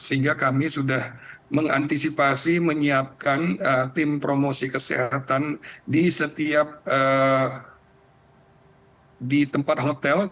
sehingga kami sudah mengantisipasi menyiapkan tim promosi kesehatan di setiap di tempat hotel